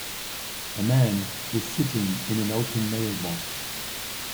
A man is sitting in an open mailbox.